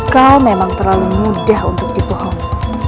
kau memang terlalu mudah untuk dibohongi